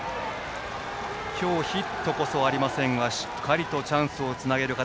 今日ヒットこそありませんがしっかりとチャンスをつなげる形。